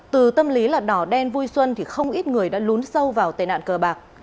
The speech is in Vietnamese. từ tâm lý là đỏ đen vui xuân thì không ít người đã lún sâu vào tệ nạn cờ bạc